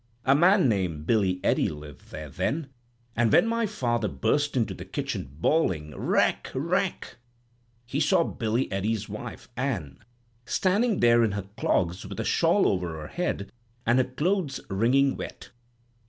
A man named Billy Ede lived there then, and when my father burst into the kitchen bawling, 'Wreck! wreck!' he saw Billy Ede's wife, Ann, standing there in her clogs with a shawl over her head, and her clothes wringing wet.